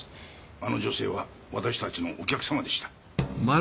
あの女性は私たちのお客様でした。